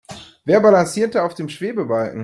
Wer balanciert da auf dem Schwebebalken?